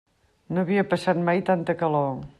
No havia passat mai tanta calor.